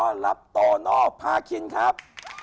สวัสดีครับ